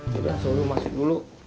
sudah suruh masuk dulu